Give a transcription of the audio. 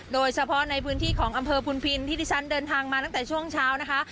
โดยเฉพาะในพื้นที่ของอำเภอพุนพินที่ที่ฉันเดินทางมาตั้งแต่ช่วงเช้านะคะ